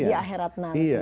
di akhirat nanti